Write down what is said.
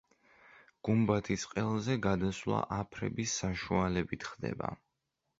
გუმბათის ყელზე გადასვლა აფრების საშუალებით ხდება.